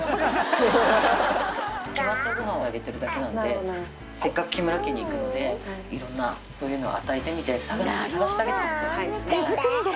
決まったごはんをあげてるだけなので、せっかく木村家に行くんで、いろんなそういうのを与えてみて、探してあげて。